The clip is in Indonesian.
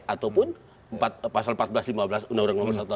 ataupun pasal empat belas lima belas undang undang satu ratus delapan puluh enam